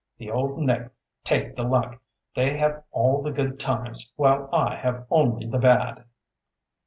"The Old Nick take the luck! They have all the good times, while I have only the bad!"